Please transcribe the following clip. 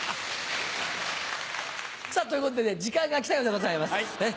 さぁということでね時間が来たようでございます。